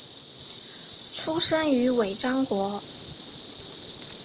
出生于尾张国。